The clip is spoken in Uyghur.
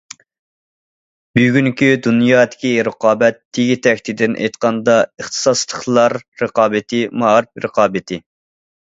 بۈگۈنكى دۇنيادىكى رىقابەت تېگى- تەكتىدىن ئېيتقاندا ئىختىساسلىقلار رىقابىتى، مائارىپ رىقابىتى.